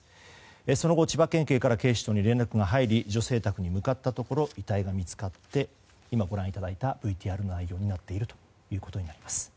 その後、千葉県警から警視庁に連絡が入り女性宅に向かったところ遺体が見つかって今、ご覧いただいたＶＴＲの内容になっていると。